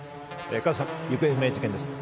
加藤さん、行方不明事件です。